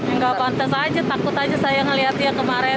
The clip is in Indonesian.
nggak pantas aja takut aja saya ngeliat dia kemarin